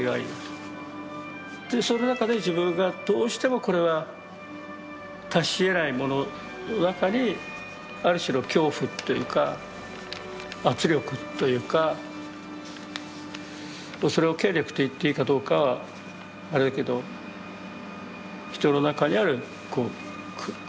その中で自分がどうしてもこれは達しえないものの中にある種の恐怖というか圧力というかそれを権力と言っていいかどうかはあれだけど人の中にある苦しみ。